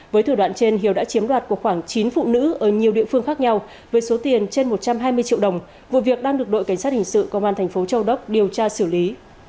với thủ đoạn trên hiếu đã chiếm đoạt của khoảng chín phụ nữ ở nhiều địa phương khác nhau với số tiền trên một trăm hai mươi triệu đồng vụ việc đang được đội cảnh sát hình sự công an thành phố châu đốc điều tra xử lý